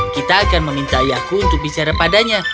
kita akan meminta ayahku untuk bicara padanya